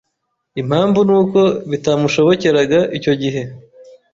Impamvu n’uko bitamushobokeraga icyo gihe